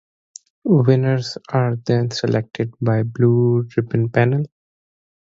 Winners are then selected by Blue Ribbon Panels.